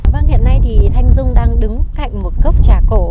vâng hiện nay thì thanh dung đang đứng cạnh một gốc trà cổ